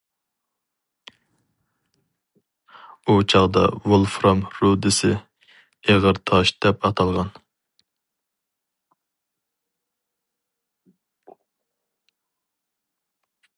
ئۇ چاغدا ۋولفرام رۇدىسى «ئېغىر تاش» دەپ ئاتالغان.